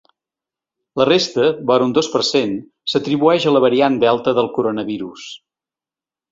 La resta, vora un dos per cent, s’atribueix a la variant delta del coronavirus.